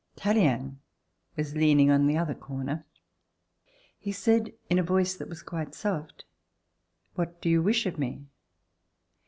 Tallien was leaning on the other corner. He said in a voice that was quite soft: "What do you wish of me?"